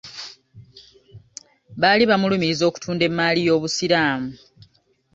Baali bamulumiriza okutunda emmaali y'Obusiraamu.